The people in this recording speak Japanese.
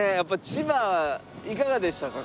千葉いかがでしたか？